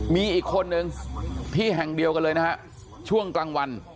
มีอีกคนนึงที่แห่งเดียวกันเลยนะฮะช่วงกลางวัน